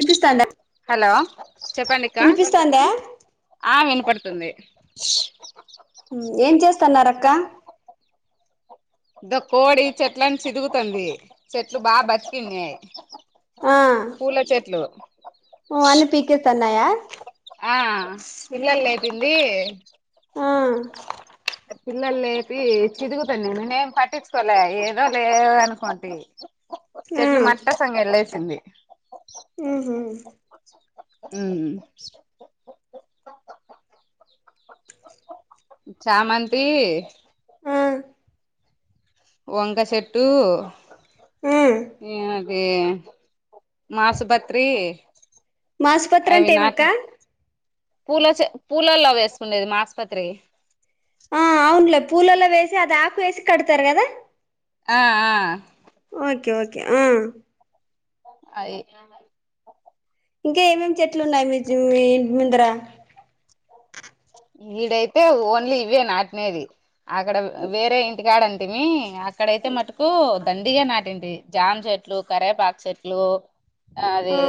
వినిపిస్తాందా హలో చెప్పండిక్క వినిపిస్తాందా ఆ వినపడుతుంది ఏం చేస్తున్నారు అక్క ఇ కోడి చెట్లలను చిదుగుతుంది చెట్లు బాగా బతికిన్నాయి ఆ పూల చెట్లు ఓ అన్నీ పీకేస్తాన్నయా ఆ పిల్లలు లేపింది ఆ పిల్లలు లేపి చిదుగుతుంది నేనేం పట్టించుకోలే ఏదో లేదో అనుకోంటి చెట్లు మట్టసంగ ఎళ్ళేసింది ఆహ హ్మ్ చామంతి ఆ వంక చెెట్టు ఆ ఏ ఏ మాసు బత్రి మాసుపత్రి అవి అంటే ఏమక్క నాటి పూల పూలల్లో వేసుకుండేది మాసుపత్రి ఆ అవునులే పూలలో వేసి అది ఆకు వేసి కడతారు కదా ఆ ఆ ఓకే ఓకే ఆ అయి ఇంకా ఏమేమి చెట్లు ఉన్నాయి మీ ఇంటి ముందర ఇడైతే ఓన్లీ ఇవే నాటినేది అక్కడ వేరే ఇంటికాడ ఉంటిమి అక్కడైతే మటుకు దండిగా నాటింటి జామ్ చెట్ చెట్లు కరేపాక్ చెట్లు ఆది ఆ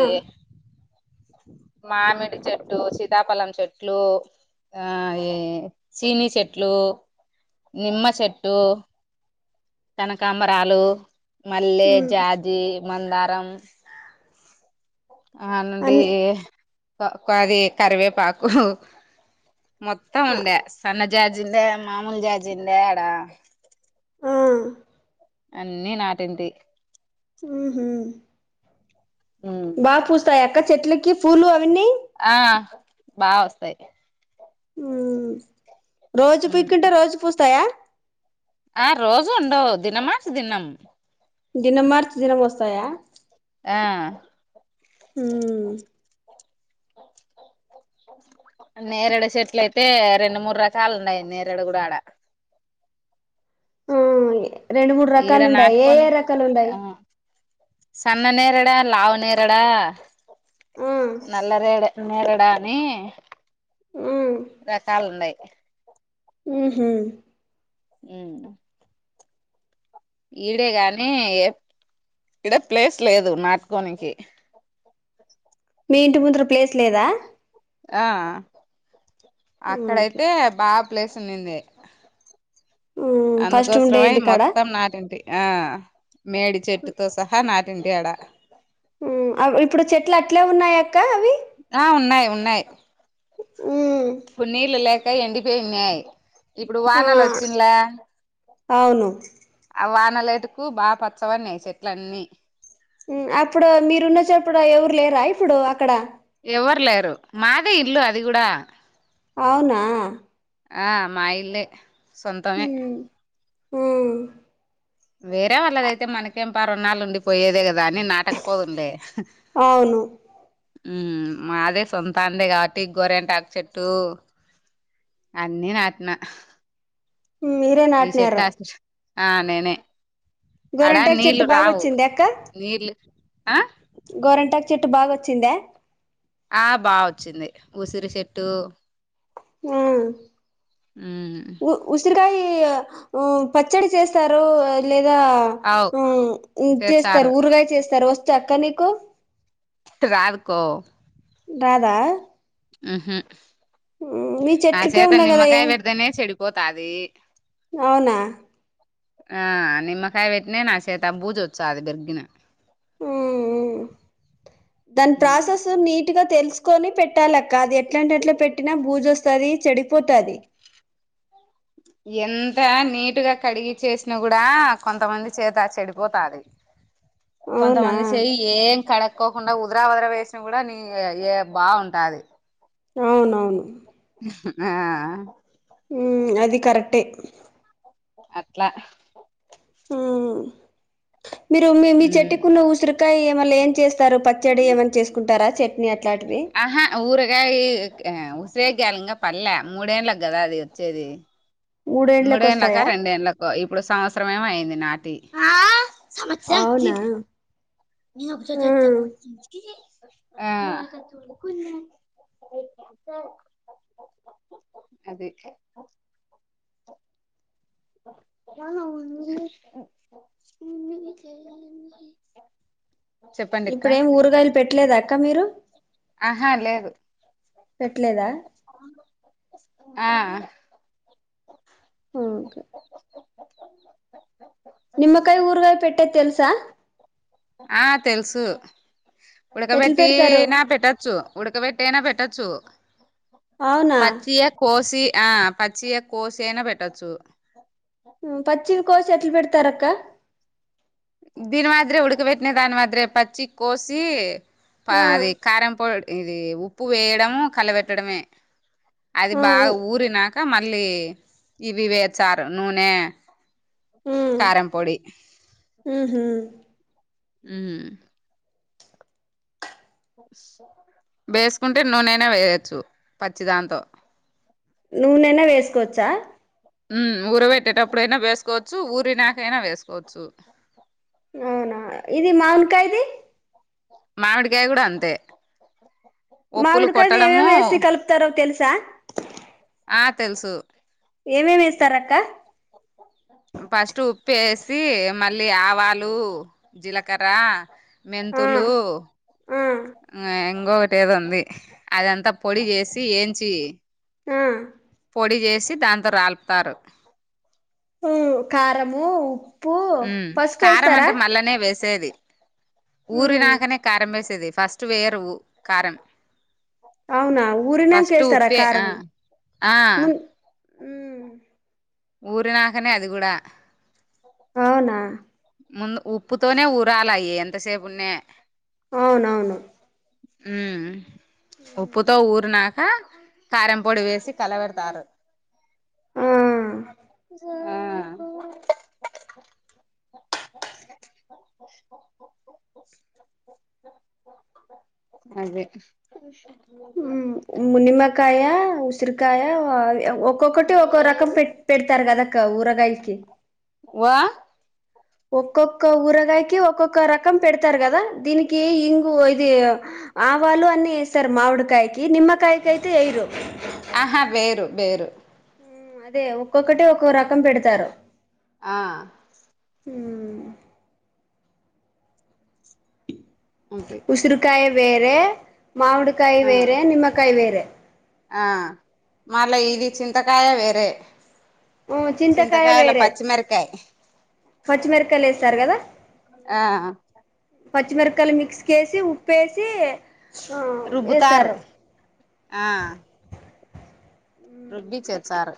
మామిడి చెట్టు సీతాపలం చెట్లు [unintelligible] స సినీచెట్టు నిమ్మ చెట్టు కనకాంబరాలు మల్లె మ్మ్ జాజి మందారం [unintelligible] అన్ ది కరివేపాకు మొత్తం ఆ ఉండే సన్న జాజి ఉండే మామూలు జాజి ఉండే ఆడ ఆ అన్ని నాటింటి ఉహు ఉమ్ బా పూస్తాయి అక్క చెట్లకి పూలు అవన్నీ ఆ బా వస్తాయ్ రోజు పీక్కుంటే రోజు పూస్తాయ ఆ రోజ ఉండవు దినమాసి దినం దినం మార్చి దినం మోస్తాయ ఆ హ్మ్ నేరడు చెట్లు అయితే రెండు మూడు రకాలు ఉన్నాయి నేరడు కూడా ఆడ ఆ రెండు మూడు ఈడ రకాలు ఉన్నాయి ఏ నాటుకొని ఏ రకాలున్నాయి ఆ సన్న నేరడ లావు నేరడ నల్ల [unintelligible] [unintelligible] అని రకాలు ఉన్నాయ్ ఉహు ఉ ఈడే గాని ఏ ఇడ ప్లేస్ లేదు నాటుకోనికి మీ ఇంటి ముందుర ప్లేస్ లేదా ఆ ఓకే అక్కడైతే బా ప్లేస్ ఉన్నింది ఫస్ట్ ఉండే అందుకోసమే ఇంటికాడ మొత్తం నాటింటి ఆ మేడి చెట్టుతో సహా నాటింటి ఆడ ఇప్పుడు చెట్లు అట్లే ఉన్నాయక్క అవి ఆ ఉన్నాయి ఉన్నాయి [unintelligible] నీళ్ళ లేక ఎండిపోయి ఉన్నాయి ఇప్పుడు వానలు వచ్చింద్లే అవును అ వాన [unintelligible] బాగ [unintelligible] చెట్ల అన్నీ అప్పుడు మీరున్నచ్చప్పుడు ఎవరు లేరా ఇప్పుడు అక్కడ ఎవ్వరు లేరు మాదే ఇల్లు అది కూడ అవునా ఆ మా ఇల్లే సొంతమే ఉ వేరే వాళ్ళదైతే మనకేం ప రణాలు ఉండి పోయేదే కదా అని నాటకపోదునులే అవును మాదే సొంతా అందే కాబట్టి గోరెంటాకు చెట్టు అన్నీ నాటిన మీరే ఈ చెట్ నాటినారు ఆసించ్ ఆ నేనే అడా గోరంటాకు నీళ్లు చెట్టు బాగా రావు వచ్చింది నీళ్ళు గోరంటా చెట్టు బాగా వచ్చిందా ఆ బా వచ్చింది ఉసిరి చెట్టు మ్ మ్ ఉసిరికాయ పచ్చడి చేస్తారు లేదా అవు మ్ చేస్తారు చేచ్చారు ఊరగాయ చేస్తారు వచ్చా అక్క నీకు రాదు కో రాదా మ్ హు మీ నా చెట్లకే చేత ఉన్నాయి కదా ఏ నిమ్మకాయ పెడితేనే చెడిపోతది అవునా ఆ నిమ్మకాయ పెట్టినా నా చేత బూజు వచ్చా అది బెరిగిన మ్ మ్ దాని ఉమ్ ప్రాసెస్ నీట్ టిగా తెలుసుకొని పెట్టాలక్క అది ఎట్లాంట ఎట్లా పెట్టినా బూజ వస్తుది చెడిపోతుది ఎంత నీటుగా కడిగి చేసినా కూడా కొంతమంది చేత చెడిపోతాది అవునా కొంతమంది చెయి ఏం కడుక్కోకుండా ఉదరా వదర వేసిన కూడా నీ ఏ బాగుంటాది అవునవును ఆ అది కరెక్టే అట్లా మ్ మీరు మీ మీ ఉమ్ చెట్టుకున్న ఉసిరికాయ మళ్ళ ఏం చేస్త స్తారు పచ్చడి ఏమని చేసుకుంటారా చట్నీ అట్లాంటివి ఊరగాయి ఉసిరేగ్గాయ లింగా పల్లె మూడేళ్ళ కదా అది వచ్చేది మూడేండ్లకి మూడేండ్ల కి వస్తాయా రెండేండ్లు కొ ఇప్పుడు సంవత్సరం ఏమ అయింది నాటి సంవ అవునా ఉమ్ చప్పు ఆ అది ఆవును [unintelligible] మది చే ఇప్పుడేం ఊరగాయలు పెట్టలేదా అక్క మీరు ఆహా లేదు పెట్టలేదా ఆ ఓకే నిమ్మకాయ ఊరుగాయ పెట్టేది తెల్సా ఆ తెలుసు ఎట్లు ఉడకబెట్టీ పెడతారు నా పెట్టచ్చు ఉడకబెట్టైనా పెట్టచ్చు అవునా పచ్చియ కోసి ఆ పచ్చియే కోసి అయినా పెట్టొచ్చు ఉం పచ్చివి కోసి ఎట్లు పెడతారక్క దీని మాదిరే ఉడకబెట్టినా దాని మాదిరే పచ్చి కోసి ఆ అది కారం పౌడ్ ఇది ఉప్పు వేయడము కలబెట్టడమే అది ఆ ఉ బాగా ఊరి నాక కా మళ్ళీ ఇవి వే చారు నూనె కారం పొడి హు హమ్ ఉం వేసుకుంటే నూనే అయినా వేయొచ్చు పచ్చి దాంతో నూనెైనా వేసుకోవచ్చా ఉం ఊరబేట్టేటప్పుడైన వేసుకోవచ్చు ఊరినాక అయినా వేసుకోవచ్చు అవునా ఇది మావిని కాయధి మామిడికాయ కూడా అంతే ఒప్పులు మామిడి కాయది కొట్టడము ఏమేమి వేసి కలుపుతారో తెలుసా ఆ తెలుసు ఏమేమి వేస్తార అక్క ఫస్ట్ ఉప్ప వేసి మళ్ళీ ఆవాలు జీలకర్ర ఆ మెంతులు ఆ ఇంకొకటి ఏదో ఉంది అదంతా పొడి చేసి ఏంచి ఆ పొడి చేసి దాంతో రాలుపుతారు ఉం ఖారము ఉప్పు పసుపు వేస్తారా అల్లనే వేసేది ఉమ్ ఊరినాకనే కారం వేసేది ఫస్ట్ వేయరు ఉ కారం అవునా ఊరినంక ఫస్ట్ వేస్తారా ఉప్పే ఆ కారము ఆ మున్ ఉమ్ ఊరి నాకనే అది కూడా అవునా ముందు ఉప్పుతోనే ఊరాల అయి ఎంతసేపు ఉన్నా అవునవును వుమ్ ఉప్పుతో ఊరు నాక ఆ కారం పొడి వేసి కలబెడతారు ఆ ఆ అదే నిమ్మకాయ ఉసిరికాయ ఒక్కొక్కటి ఒక్కో రకం పెట్ పెడతారు గద అక్క ఊరగాయకి వా ఒక్కొక్క ఊరగాయకి ఒక్కొక్క రకం పెడతారు కదా దీనికి ఇంగు ఇది ఆవాలు అన్ని వేస్తారు మావిడికాయకి నిమ్మ కాయకితే వేయరు ఆహా వేరు వేరు ఉం అదే ఒక్కొక్కటి ఒక్కొ రకం పెడతారు ఆ ఉమ్, అంతే ఉసురుకాయ వేర మామిడికాయ ఆ వేరే నిమ్మ కాయ వేరే ఆ మళ్ల ఇది చింతకాయ వేరే ఉమ్, చింతకాయ చింతకాయిలా పచ్చిమిరకాయ్ పచ్చిమిరకాయిల్ ఎసారు గదా ఆ పచ్చిమిరప్కాయలు మిక్స్కేసి ఉప్పేసి ఆ రుబ్బుతారు వేస్తారు ఆ రుబ్బి చేచ్చారు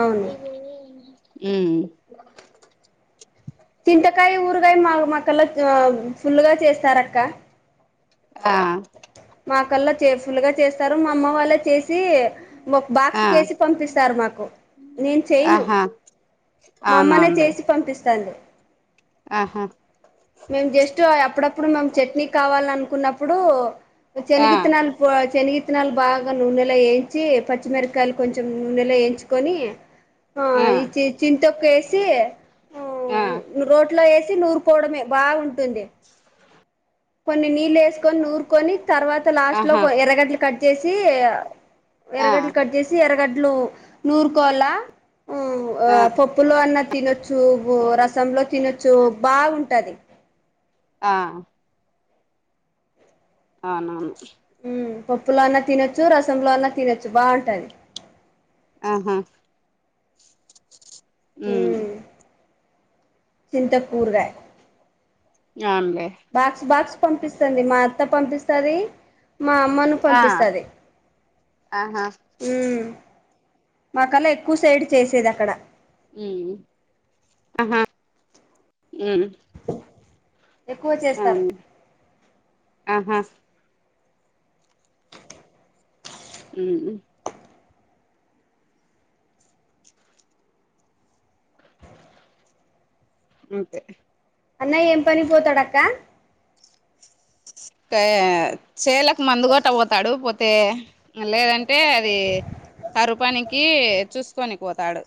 అవును ఉమ్ చింతకాయ్ ఊరుగాయ్ మా కళ్ళల్లో ఫుల్లుగా చేస్తారు అక్క ఆ మా కల్లా చే ఫుల్లుగా చేస్తారు మా అమ్మ వల్లే చేసీ మ ఆ బాక్స్ కేసి పంపిస్తారు మాకు నేను చేను ఆహా మా అమ్మనే అవునవునులే చేసి పంపిస్తాంది. ఆహా మేము జస్ట్ అయి అప్పుడప్పుడు మేము చట్నీ కావాలనుకున్నప్పుడూ ఆ శనగిత్తినలు పో శనగిత్తనాలు బాగా నూనెలో ఏంచ్చి పచ్చిమిరకాయల్ కొంచం నూనెలో ఎంచుకొనీ ఆ ఈ చిచిన్ తొక్కు ఏసీ ఆ రోట్లో ఎసి నూరుకోడమే బాగుంటుంది కొన్ని నీళ్ళు ఎస్కొని నూర్కొని తర్వాత లాస్ట్ లో ఆహా కో ఎర్రగడ్లు కజ్ జేసీ ఆ ఎర్రగడ్లు కజ్ జెసి చి ఎరగడ్లు నూరుకోల్లా ఆ ప్పులో అన్న తినొచ్చూ బు రసంలో తినొచ్చు బాగుంటది. ఆ అవునా ఉమ్ పప్పులో అన్నా తినొచ్చు రసంలో అన్నా తినొచ్చు బావుంటది. ఆహా ఉమ్ చింతపూర్వే అవున్లే బాక్స్ బాక్స్ పంపిస్తుంది మా అత్త పంపిస్తాది మా అమ్మను ఆ పంపిస్తాది ఆహా మాకలా ఎక్కు సైడ్ చేసేది అక్కడ ఆహా ఉమ్ ఎక్కువ చేస్తారు అవును ఆహా ఉమ్ అంతే అన్నయ ఏంపనికి వోతడక్కా కాఎ చెల్లకు మందుగోట వోతాడు పోతే లేదంటే అది కరువ్ పనికీ చూస్కొని వోతాడూ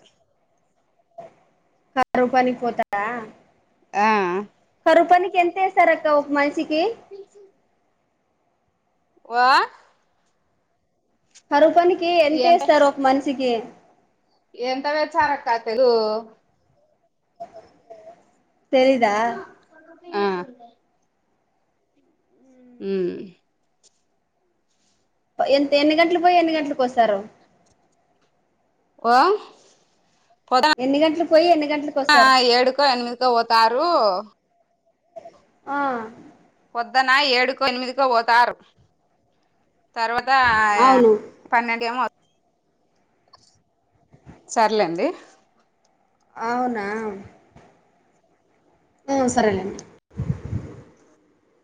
కరువ్ పనికి కోతాడా ఆ కరువ్ పనికి ఎంత ఎసరు అక్క ఒక్ మనిషికి వో కరువ్ పనికీ ఎంత ఎసరు ఒక్ మనిషికి ఎంత వేచ్చరక్క తెలు తెలీదా ఆ ఉమ్ ఎంత ఎన్ని గంటలు పోయి ఎన్ని గంటలకు వస్తారు ఓ పోత ఎన్ని గంటలు పోయి ఎన్ని గంటలకు ఆ వస్తారు ఏడుకో ఎనిమిదికో పోతారు ఆ పొద్దున ఏడుకో ఎనిమిదికో పోతారు తర్వాత అవును పన్నెండు ఏమో సర్లేండి అవునా ఉ సరేలేండి